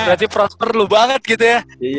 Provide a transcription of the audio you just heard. berarti prosper lu banget gitu ya